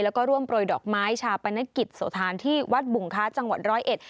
แล้วก็ร่วมโปรยดอกไม้ชาปนกิจโสธานที่วัดบุงค้าจังหวัดร้อยเอ็ด